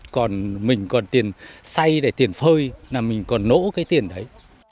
còn mình còn tiền xay để tiền phơi là mình còn nổ cái tiền đấy